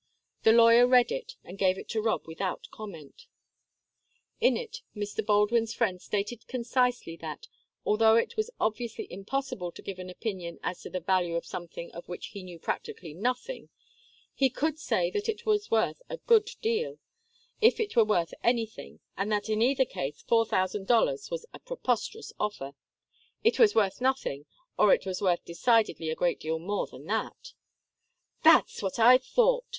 The lawyer read it and gave it to Rob without comment. In it Mr. Baldwin's friend stated concisely that, although it was obviously impossible to give an opinion as to the value of something of which he knew practically nothing, he could say that it was worth a good deal, if it were worth anything, and that in either case four thousand dollars was a preposterous offer it was worth nothing, or it was worth decidedly a great deal more than that. "That's what I thought!"